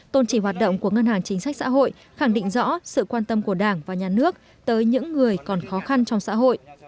tôn trì hoạt động của ngân hàng chính sách xã hội khẳng định rõ sự quan tâm của đảng và nhà nước tới những người còn khó khăn trong xã hội